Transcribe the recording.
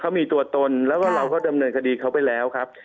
เขามีตัวตนแล้วก็เราก็ดำเนินคดีเขาไปแล้วครับ